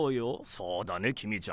そうだね公ちゃん。